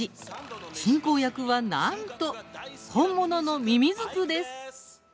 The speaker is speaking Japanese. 進行役はなんと本物のミミズクです。